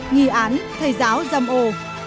nghị án thầy giáo giam ô